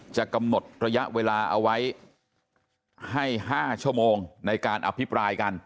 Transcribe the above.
จะกำหนดระยะเวลาเอาไว้ให้๕ชั่วโมงในการอภิปรายกัน